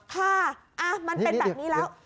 ค่ะมันเป็นแบบนี้แล้ว